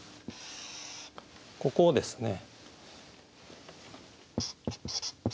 ここをですね。